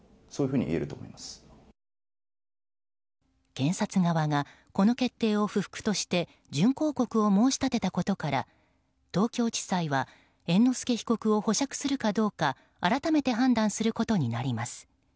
検察側がこの決定を不服として準抗告を申し立てたことから東京地裁は猿之助被告を保釈するかどうか改めて判断することになります。